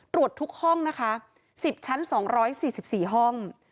ตรวจทุกห้องนะคะ๑๐ชั้น๒๔๔ห้อง